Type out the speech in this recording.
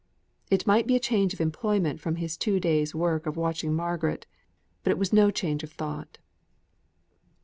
It might be a change of employment from his two days' work of watching Margaret, but it was no change of thought.